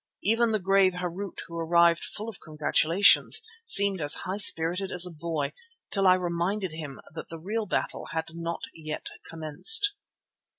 Even the grave Harût, who arrived full of congratulations, seemed as high spirited as a boy, till I reminded him that the real battle had not yet commenced.